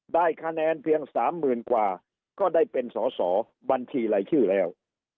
ได้คะแนนเพียงสามหมื่นกว่าก็ได้เป็นสอสอบัญชีรายชื่อแล้ว